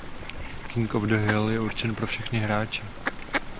King of the Hill je určen pro všechny hráče.